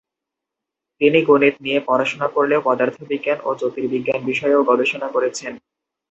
তিনি গণিত নিয়ে পড়াশোনা করলেও পদার্থবিজ্ঞান ও জ্যোতির্বিজ্ঞান বিষয়েও গবেষণা করেছেন।